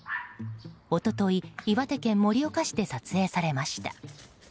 一昨日、岩手県盛岡市で撮影されました。